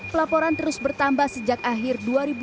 pelaporan terus bertambah sejak akhir dua ribu dua puluh